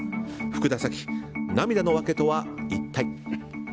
福田沙紀、涙の訳とは一体。